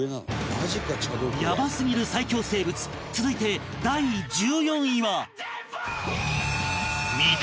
ヤバすぎる最恐生物続いて第１４位は